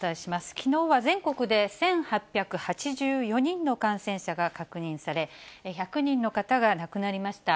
きのうは全国で、１８８４人の感染者が確認され、１００人の方が亡くなりました。